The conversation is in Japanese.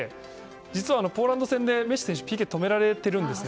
実はポーランド戦でメッシ選手はＰＫ止められているんですね。